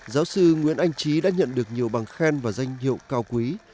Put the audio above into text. giáo sư nguyễn anh trí đã nhận được nhiều bằng khen và danh hiệu cao quý